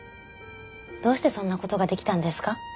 どうしてそんな事ができたんですか？